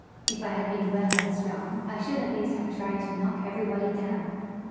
(If I had been well and strong, I should at least have tried to knock everybody down.)